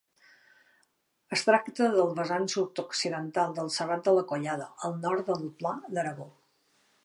Es tracta del vessant sud-occidental del Serrat de la Collada, al nord del Pla d'Aragó.